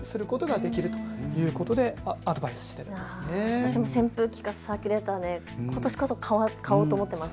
私も扇風機かサーキュレーター、ことしこそ買おうと思っています。